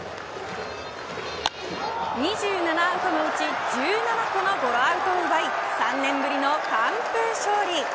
２７アウトのうち１７個のゴロアウトを奪い３年ぶりの完封勝利。